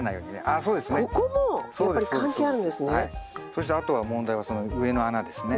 そしてあとは問題はその上の穴ですね。